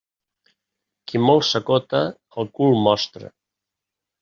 Qui molt s'acota, el cul mostra.